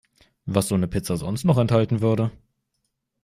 Was so 'ne Pizza sonst noch enthalten würde.